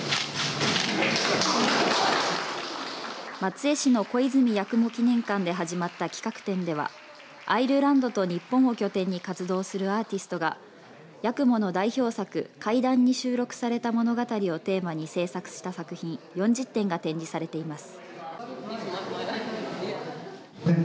松江市の小泉八雲記念館で始まった企画展ではアイルランドと日本を拠点に活動するアーティストが八雲の代表作怪談に収録された物語をテーマに制作した作品４０点が展示されています。